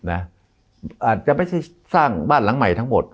อาจจะไม่ใช่สร้างบ้านหลังใหม่ทั้งหมด